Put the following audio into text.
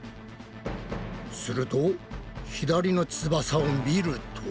すると左の翼を見ると。